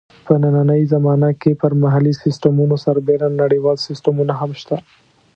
په نننۍ زمانه کې پر محلي سیسټمونو سربېره نړیوال سیسټمونه هم شته.